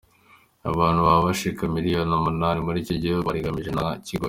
Abantu boba bashika imiliyoni umunani muri ico gihugu barageramiwe na kigoyi.